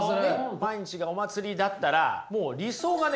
毎日がお祭りだったらもう理想がね